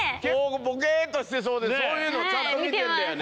ボケッとしてそうでそういうのちゃんと見てんだよね。